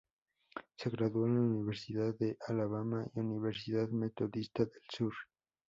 Se graduó en la Universidad de Alabama y Universidad Metodista del Sur.